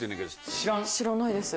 知らないです。